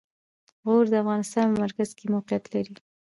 غور د افغانستان په مرکز کې موقعیت لري.